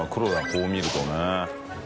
こう見るとね。